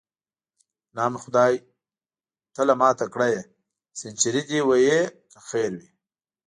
نام خدای، ته له ما تکړه یې، سنچري دې وهې که خیر وي.